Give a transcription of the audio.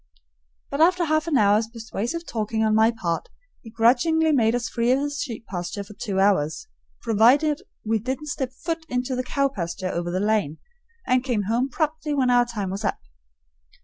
But after half an hour's persuasive talking on my part, he grudgingly made us free of his sheep pasture for two hours, provided we didn't step foot into the cow pasture over the lane, and came home promptly when our time was up.